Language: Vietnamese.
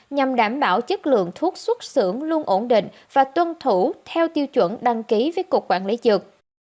nhằm đảm bảo chất lượng thuốc xuất xưởng luôn ổn định và tuân thủ theo tiêu chuẩn đăng ký với cục quản lý dược